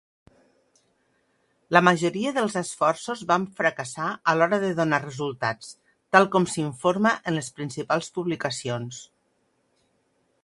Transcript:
La majoria dels esforços van fracassar a l'hora de donar resultats, tal com s'informa en les principals publicacions.